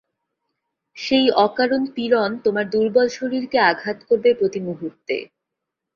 সেই অকারণ পীড়ন তোমার দূর্বল শরীরকে আঘাত করবে প্রতিমুহূর্তে।